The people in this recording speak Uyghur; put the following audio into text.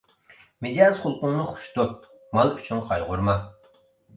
مىجەز خۇلقۇڭنى خوش تۇت، مال ئۈچۈن قايغۇرما.